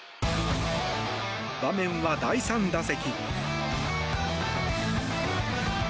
場面は第３打席。